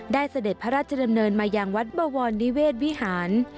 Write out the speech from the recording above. ได้เสด็จพระราชเจริมเนินมายางวัดบวรนิเวศวิหาร